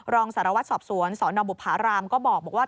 รองสารวัตรสอบสวนสนบุภารามก็บอกว่า